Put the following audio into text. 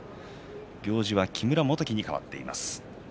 行司は木村元基に替わっています。